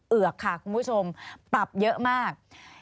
เอือกค่ะคุณผู้ชมปรับเยอะมาก